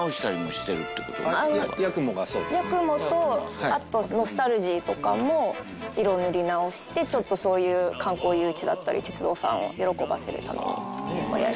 やくもとあとノスタルジーとかも色を塗り直してちょっとそういう観光誘致だったり鉄道ファンを喜ばせるためにやってます。